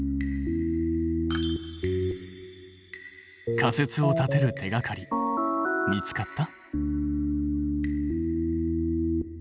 仮説を立てる手がかり見つかった？